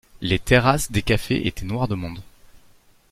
Les terrasses des cafés étaient noires de monde.